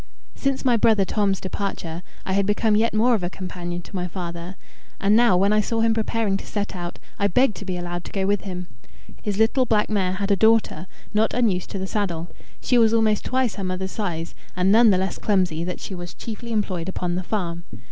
Since my brother Tom's departure, I had become yet more of a companion to my father; and now when I saw him preparing to set out, I begged to be allowed to go with him. His little black mare had a daughter, not unused to the saddle. She was almost twice her mother's size, and none the less clumsy that she was chiefly employed upon the farm.